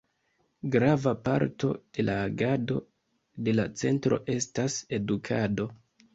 Grava parto de la agado de la Centro estas edukado.